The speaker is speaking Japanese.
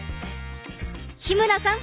日村さん